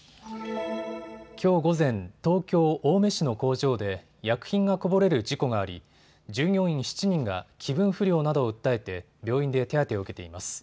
きょう午前、東京青梅市の工場で薬品がこぼれる事故があり従業員７人が気分不良などを訴えて病院で手当てを受けています。